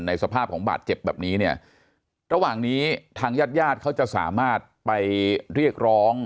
สภาพของบาดเจ็บแบบนี้เนี่ยระหว่างนี้ทางญาติญาติเขาจะสามารถไปเรียกร้อง